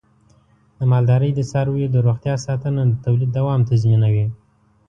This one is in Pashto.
د مالدارۍ د څارویو د روغتیا ساتنه د تولید دوام تضمینوي.